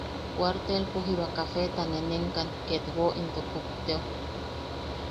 Kuartelpo jiba kafeta nenenkan ketwo into kupteo.